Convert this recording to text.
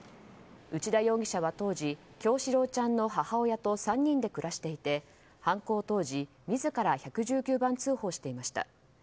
内田容疑者は当時叶志郎ちゃんの母親と３人で暮らしていて犯行当時、自ら１１９番通報していました。